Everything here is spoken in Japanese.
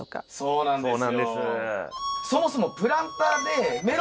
そうなんです。